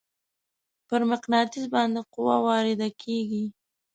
پر مقناطیس باندې قوه وارد کیږي.